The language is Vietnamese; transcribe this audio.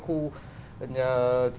không phải gác chuông